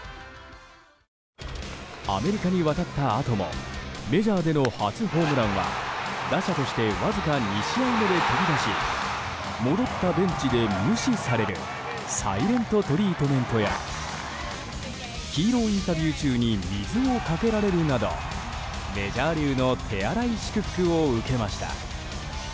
アメリカに渡ったあともメジャーでの初ホームランは打者としてわずか２試合目で飛び出し戻ったベンチで無視されるサイレント・トリートメントやヒーローインタビュー中に水をかけられるなどメジャー流の手荒い祝福を受けました。